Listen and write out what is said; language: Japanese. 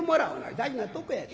大事なとこやで。